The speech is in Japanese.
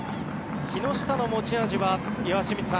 木下の持ち味は岩清水さん